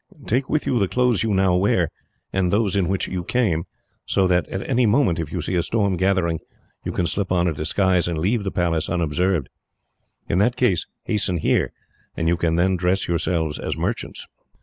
"Take with you the clothes you now wear, and those in which you came, so that at any moment, if you see a storm gathering, you can slip on a disguise, and leave the Palace unobserved. In that case hasten here, and you can then dress yourselves as merchants."